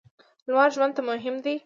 لمر ژوند ته مهم دی.